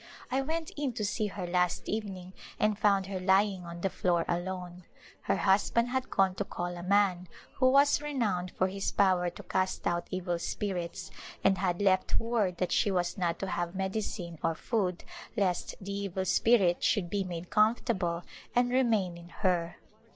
I went in to see her last evening and found her lying on the floor alone. Her husband had gone to call a man who was renowned for his power to cast out evil spirits, and had left word that she was not to have medicine or food lest the evil spirit should be made comfortable and remain in her.